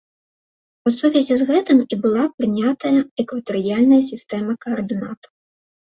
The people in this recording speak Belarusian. У сувязі з гэтым і была прынятая экватарыяльная сістэма каардынат.